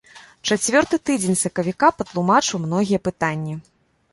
Чацвёрты тыдзень сакавіка патлумачыў многія пытанні.